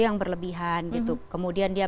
yang berlebihan gitu kemudian dia